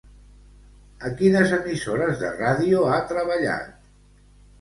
A quines emissores de ràdio ha treballat?